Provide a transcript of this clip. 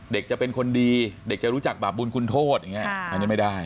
เด็กจะเป็นคนดีเด็กจะรู้จักบาปบุญคุณโทษอย่างนี้อันนี้ไม่ได้